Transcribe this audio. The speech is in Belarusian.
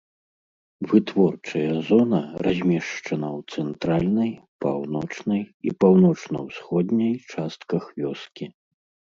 Вытворчая зона размешчана ў цэнтральнай, паўночнай і паўночна-ўсходняй частках вёскі.